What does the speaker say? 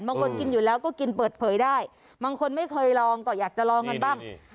บางคนกินอยู่แล้วก็กินเปิดเผยได้บางคนไม่เคยลองก็อยากจะลองกันบ้าง